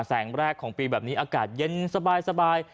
แสงแรกของปีแบบนี้อากาศเย็นสบาย